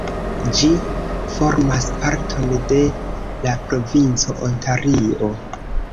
Ĝi formas parton de la provinco Ontario.